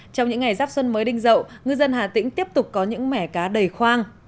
trong những ngày giáp xuân mới đinh rậu ngư dân hà tĩnh tiếp tục có những mẻ cá đầy khoang